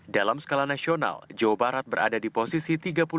dalam skala nasional jawa barat berada di posisi tiga puluh delapan